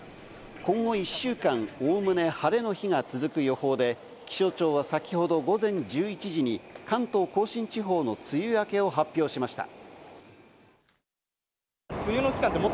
今後１週間、おおむね晴れの日が続く予報で、気象庁は先ほど午前１１時に、関東甲信地方の梅雨明けを発表しました。